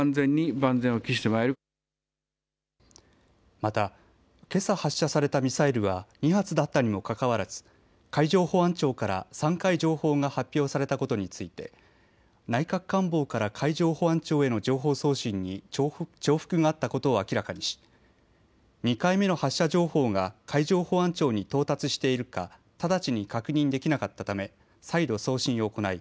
また、けさ発射されたミサイルは２発だったにもかかわらず海上保安庁から３回情報が発表されたことについて内閣官房から海上保安庁への情報送信に重複があったことを明らかにし２回目の発射情報が海上保安庁に到達しているか直ちに確認できなかったため再度、送信を行い